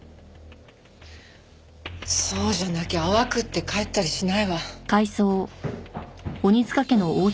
そうじゃなきゃ泡食って帰ったりしないわ。